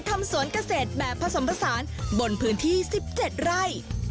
ทำสวนเกษตรแบบผสมผสานบนพื้นที่๑๗ไร่